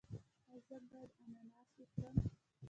ایا زه باید اناناس وخورم؟